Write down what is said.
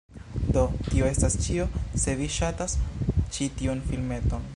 Do, tio estas ĉio se vi ŝatas ĉi tiun filmeton